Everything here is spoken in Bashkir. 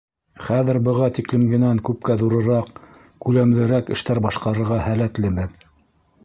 Хәҙер быға тиклемгенән күпкә ҙурыраҡ, күләмлерәк эштәр башҡарырға һәләтлебеҙ.